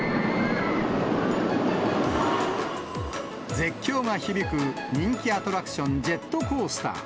絶叫が響く人気アトラクション、ジェットコースター。